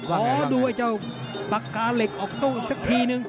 ขอดูไอ้เจ้าปากกาเหล็กออกตู้อีกสักทีนึง